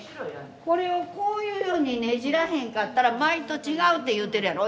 これをこういうふうにねじらへんかったら舞と違うって言うてるやろ。